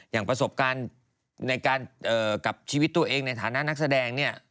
อย่างประสบการณ์ในการกับชีวิตตัวเองในฐานะนักแสดงเนี่ย